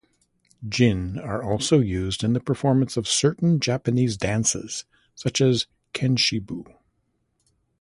"Gin" are also used in the performance of certain Japanese dances, such as kenshibu.